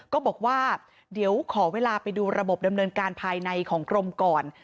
ก็บอกว่าเดี๋ยวขอเวลาไปดูระบบดำเนินการภายในของกรมก่อน